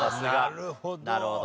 なるほど。